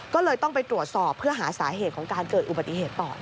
ก็เลยต้องไปตรวจสอบเพื่อหาสาเหตุของการเกิดอุบัติเหตุต่อ